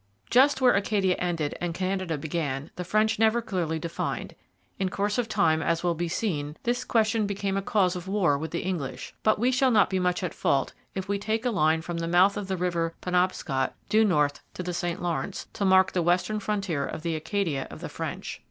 Just where Acadia ended and Canada began the French never clearly defined in course of time, as will be seen, this question became a cause of war with the English but we shall not be much at fault if we take a line from the mouth of the river Penobscot, due north to the St Lawrence, to mark the western frontier of the Acadia of the French.